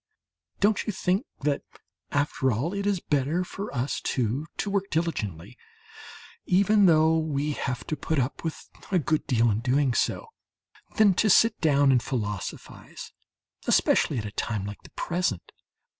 Don't you think that, after all, it is better for us two to work diligently, even though we have to put up with a good deal in so doing, than to sit down and philosophize, especially at a time like the present?